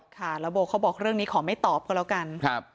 ค่ะแล้วโบเขาบอกเรื่องนี้ขอไม่ตอบก็แล้วกัน